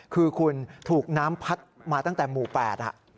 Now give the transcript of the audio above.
คือคุณถูกน้ำพัดมาตั้งแต่หมู่๘